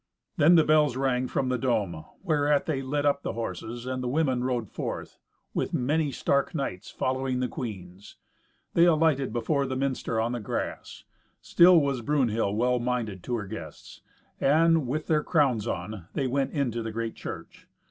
Then the bells rang from the dome, whereat they led up the horses, and the women rode forth, with many stark knights following the queens. They alighted before the minster, on the grass. Still was Brunhild well minded to her guests, and, with their crowns on, they went into the great church.